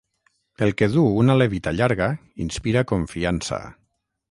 El que du una levita llarga inspira confiança